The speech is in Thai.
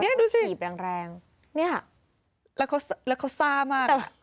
นี่ดูสินี่แหลงแหลงนี่ค่ะแล้วเขาซ่ามาก